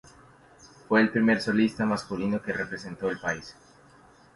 Fue el primer solista masculino que representó al país.